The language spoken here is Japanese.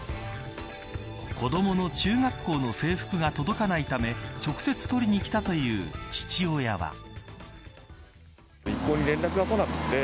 子どもの中学校の制服が届かないため直接取りに来たという父親は。